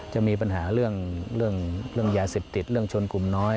จะมีปัญหาเรื่องยาเสพติดเรื่องชนกลุ่มน้อย